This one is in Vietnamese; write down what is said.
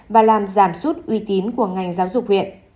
và làm giảm sút uy tín của ngành giáo dục huyện